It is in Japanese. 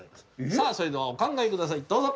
さあそれではお考え下さいどうぞ！